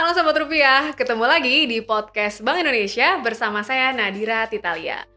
jangan sampai rupiah ketemu lagi di podcast bank indonesia bersama saya nadira titalia